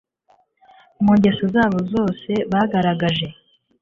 Mu ngeso zabo zose bagaragaje